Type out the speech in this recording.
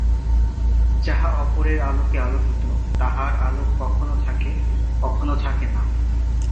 যাহা অপরের আলোকে আলোকিত, তাহার আলোক কখনও থাকে, কখনও থাকে না।